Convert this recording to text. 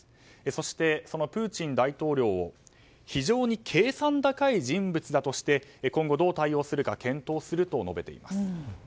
そして、そのプーチン大統領を非常に計算高い人物だとして今後、どう対応するか検討すると述べています。